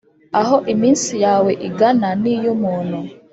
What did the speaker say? aho iminsi yawe ingana n’iy’umuntu,